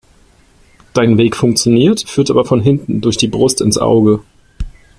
Dein Weg funktioniert, führt aber von hinten durch die Brust ins Auge.